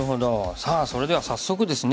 さあそれでは早速ですね